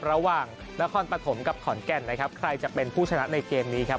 ระหว่างนครปฐมกับขอนแก่นนะครับใครจะเป็นผู้ชนะในเกมนี้ครับ